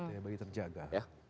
daya beli terjaga